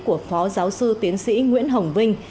của phó giáo sư tiến sĩ nguyễn hồng vinh